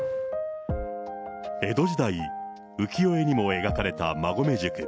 江戸時代、浮世絵にも描かれた馬籠宿。